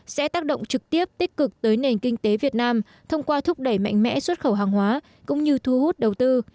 sẽ tác động trực tiếp tích cực tới nền kinh tế việt nam thông qua thúc đẩy mạnh mẽ xuất khẩu hàng hóa cũng như thu hút đầu tư